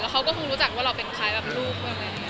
แล้วเขาก็คงรู้จักว่าเราเป็นใครแบบลูกบ้างอะไรอย่างงี้